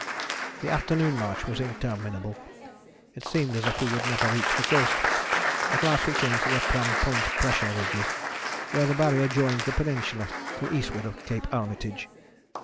The afternoon march was interminable; it seemed as if we would never reach the coast. At last we came to the Pram Point Pressure Ridges where the Barrier joins the peninsula to eastward of Cape Armitage.